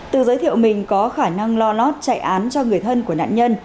từ giới thiệu mình có khả năng lo lót chạy án cho người thân của nạn nhân